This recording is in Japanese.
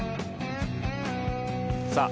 さあ